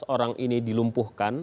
lima belas orang ini dilumpuhkan